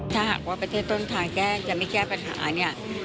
ถ้าหากว่าประเทศต้นทางแก้จะไม่แก้ปัญหาเนี่ย